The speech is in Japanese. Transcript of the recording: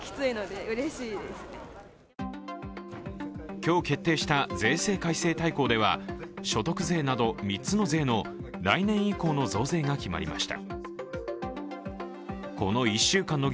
今日決定した税制改正大綱では所得税など３つの税など来年以降の増税が決まりました。